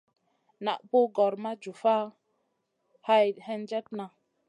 Naʼ pug gor ma jufma hay hendjena.